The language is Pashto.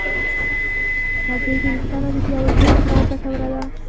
هګۍ د ویښتانو د پیاوړتیا لپاره ګټوره ده.